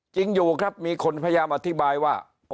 จริงอยู่ครับมีคนพยายามอธิบายว่า